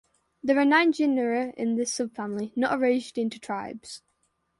There are nine genera in this subfamily (not arranged into tribes).